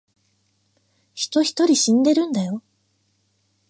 人一人死んでるんだよ